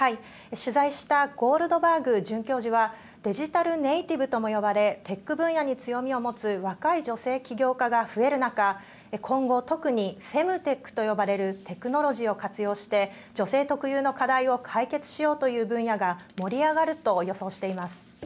取材したゴールドバーグ准教授はデジタルネイティブとも呼ばれテック分野に強みを持つ若い女性起業家が増える中今後特にフェムテックと呼ばれるテクノロジーを活用して女性特有の課題を解決しようという分野が盛り上がると予想しています。